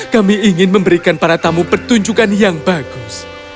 kami ingin memberikan para tamu pertunjukan yang bagus